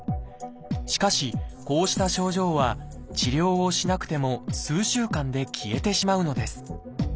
しかしこうした症状は治療をしなくても数週間で消えてしまうのです。